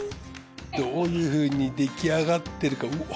どういうふうにできあがってるかうわ！